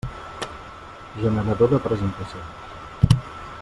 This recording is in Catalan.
Generador de presentacions.